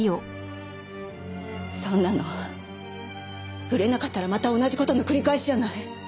そんなの売れなかったらまた同じ事の繰り返しじゃない。